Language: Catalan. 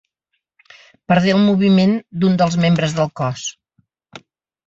Perdé el moviment d'un dels membres del cos.